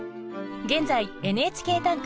現在「ＮＨＫ短歌」